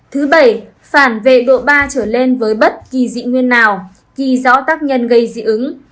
thứ bảy phản về độ ba trở lên với bất kỳ dị nguyên nào ghi rõ tác nhân gây dị ứng